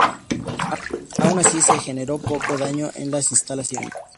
Aun así, se generó poco daño en las instalaciones.